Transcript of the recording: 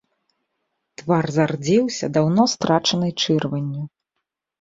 Твар зардзеўся даўно страчанай чырванню.